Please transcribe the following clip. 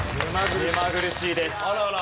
目まぐるしいです。